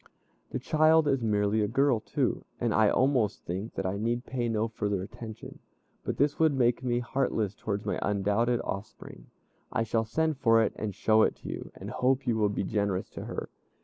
The child is merely a girl too, and I almost think that I need pay no further attention. But this would make me heartless towards my undoubted offspring. I shall send for it and show it to you, and hope you will be generous to her.